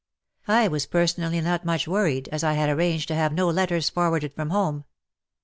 I was personally not much worried, as I had arranged to have no letters forwarded from home.